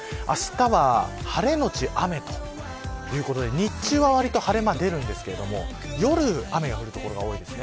あしたは晴れのち雨ということで日中は、わりと晴れ間が出るんですけど夜、雨が降る所が多いです。